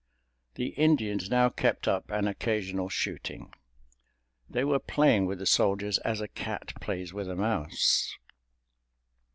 The Indians now kept up an occasional shooting. They were playing with the soldiers as a cat plays with a mouse.